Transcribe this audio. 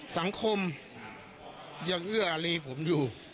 สังคมยังเอื้ออารีผมอยู่